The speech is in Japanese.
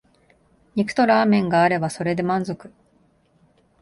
肉とラーメンがあればそれで満足